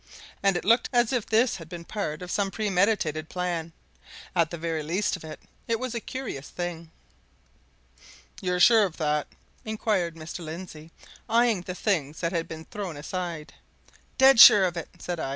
And it looked as if this had been part of some premeditated plan: at the very least of it, it was a curious thing. "You're sure of that?" inquired Mr. Lindsey, eyeing the things that had been thrown aside. "Dead sure of it!" said I.